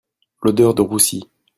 L'odeur de roussi